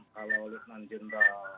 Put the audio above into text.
kalau lutman jendral